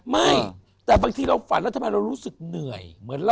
ไม่แต่บางทีเราฝันแล้วทำไมเรารู้สึกเหนื่อยเหมือนเรา